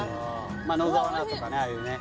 まあ野沢菜とかねああいうね